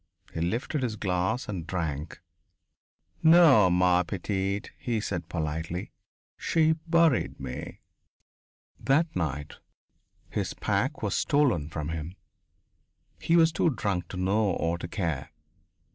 He lifted his glass and drank. "No, ma petite," he said politely, "she buried me." That night his pack was stolen from him. He was too drunk to know or to care.